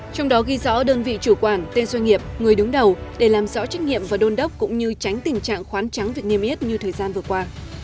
trong đó ghi rõ đơn vị chủ quản tên doanh nghiệp người đứng đầu để làm rõ trách nhiệm và đôn đốc cũng như tránh tình trạng khoán trắng việc niêm yết như thời gian vừa qua